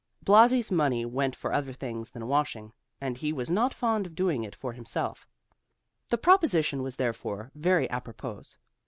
Blasi's money went for other things than washing, and he was not fond of doing it for himself. The proposition was therefore very apropos.